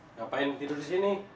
ngapain tidur disini